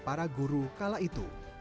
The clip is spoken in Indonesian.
para guru kala itu